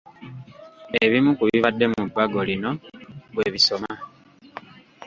Ebimu ku bibadde mu bbago lino bwe bisoma.